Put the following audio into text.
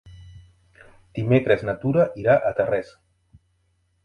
Dimecres na Tura irà a Tarrés.